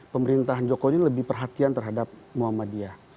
pemerintahan jokowi ini lebih perhatian terhadap muhammadiyah